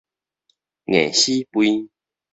硬死吠